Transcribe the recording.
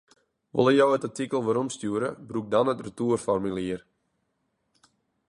Wolle jo it artikel weromstjoere, brûk dan it retoerformulier.